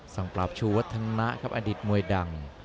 สังปราบชูวธนะครับอดิษฐ์มวยดัง